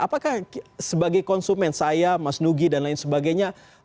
apakah sebagai konsumen saya mas nugi dan lain sebagainya